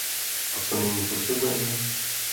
A co nyní potřebujeme?